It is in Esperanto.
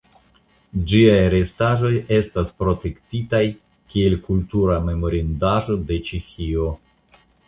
Ĝiaj restaĵoj estas protektitaj kiel kultura memorindaĵo de Ĉeĥio.